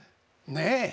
ねえ。